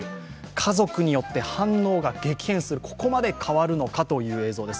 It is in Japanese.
家族によって、反応が激変する、ここまで変わるのかという映像です。